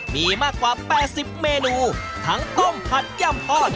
มีมากกว่า๘๐เมนูทั้งต้มผัดย่ำทอด